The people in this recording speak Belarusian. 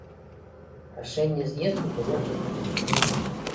Рашэнне з'езду было выкананае.